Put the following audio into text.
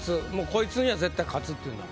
コイツには絶対勝つっていうの。